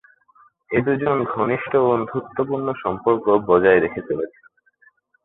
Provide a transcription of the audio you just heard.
এ দুজন ঘনিষ্ঠ বন্ধুত্বপূর্ণ সম্পর্ক বজায় রেখে চলেছেন।